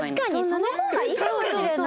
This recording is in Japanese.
その方がいいかもしれない。